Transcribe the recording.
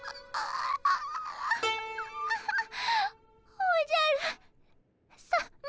おじゃるさま。